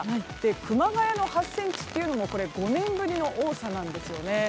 熊谷の８ｃｍというのも５年ぶりの多さなんですよね。